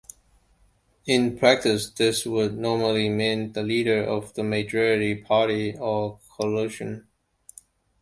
In practice this would normally mean the leader of the majority party or coalition.